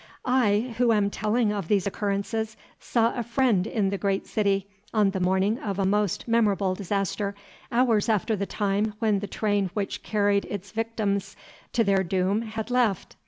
I, who am telling of these occurrences, saw a friend in the great city, on the morning of a most memorable disaster, hours after the time when the train which carried its victims to their doom had left.